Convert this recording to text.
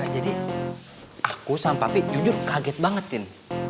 jadi aku sama papi jujur kaget banget tin